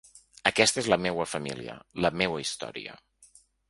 Aquesta és la meua família, la meua història.